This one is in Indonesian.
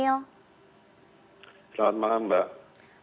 selamat malam mbak